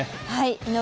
井上